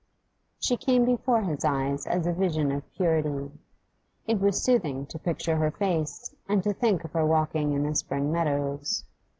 She came before his eyes as a vision of purity; it was soothing to picture her face and to think of her walking in the spring meadows.